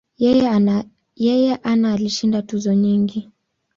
Yeye ana alishinda tuzo nyingi.